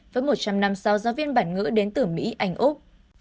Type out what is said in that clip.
với một trăm linh năm sau giáo viên bản ngữ đến từ mỹ anh úc